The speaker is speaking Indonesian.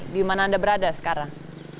di mana anda berada sekarang